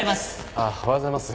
ああおはようございます。